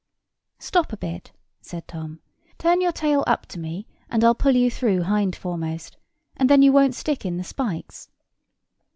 "Stop a bit," said Tom. "Turn your tail up to me, and I'll pull you through hindforemost, and then you won't stick in the spikes."